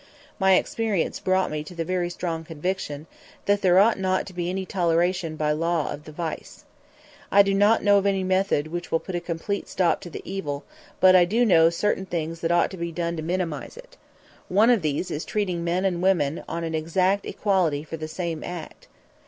My experience brought me to the very strong conviction that there ought not to be any toleration by law of the vice. I do not know of any method which will put a complete stop to the evil, but I do know certain things that ought to be done to minimize it. One of these is treating men and women on an exact equality for the same act.